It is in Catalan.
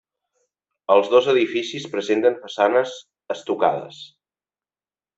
Els dos edificis presenten façanes estucades.